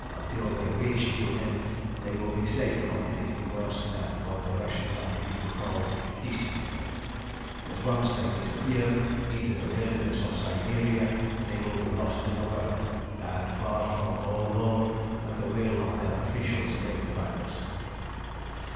Until they reach Tiumen they will be safe from anything worse than what the Russians are pleased to call 'discipline,' but once they disappear into the wilderness of Siberia they will be lost to the world, and far from all law but the will of their official slave drivers.